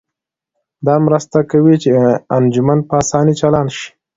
دا مرسته کوي چې انجن په اسانۍ چالان شي